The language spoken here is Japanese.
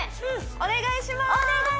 お願いします